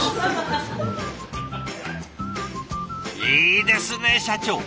いいですね社長。